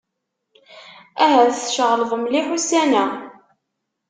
Ahat tceɣleḍ mliḥ ussan-a.